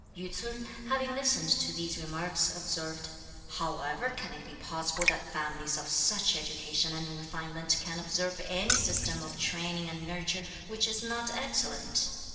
Yü ts'un, having listened to these remarks, observed: "How ever can it be possible that families of such education and refinement can observe any system of training and nurture which is not excellent?